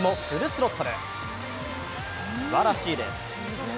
すばらしいです。